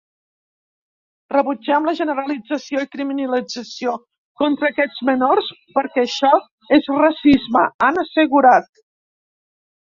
Rebutgem la generalització i criminalització contra aquests menors perquè això és racisme, han assegurat.